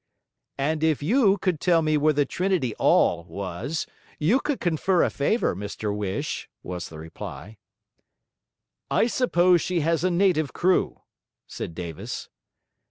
'And if you could tell me where the Trinity 'All was, you would confer a favour, Mr Whish!' was the reply. 'I suppose she has a native crew?' said Davis.